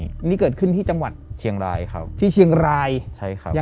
อันนี้เกิดขึ้นที่จังหวัด